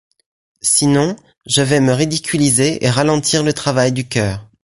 Sinon, je vais me ridiculiser et ralentir le travail du chœur.